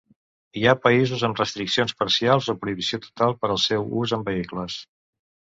Hi ha països amb restriccions parcials o prohibició total per al seu ús en vehicles.